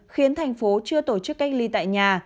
khiến thành phố chưa tổ chức cách ly tại nhà